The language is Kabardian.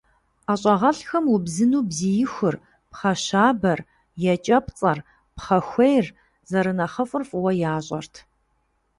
ӀэщӀагъэлӀхэм убзыну бзиихур, пхъэщабэр, екӀэпцӀэр, пхъэхуейр зэрынэхъыфӀыр фӀыуэ ящӀэрт.